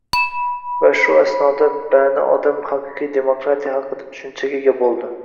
va shu asnoda bani odam haqiqiy demokratiya haqida tushunchaga ega bo‘ldi.